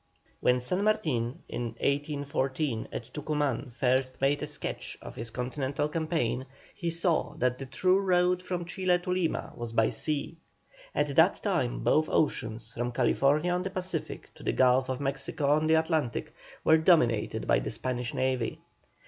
When San Martin in 1814 at Tucuman first made a sketch of his continental campaign, he saw that the true road from Chile to Lima was by sea. At that time both oceans, from California on the Pacific to the Gulf of Mexico on the Atlantic, were dominated by the Spanish navy.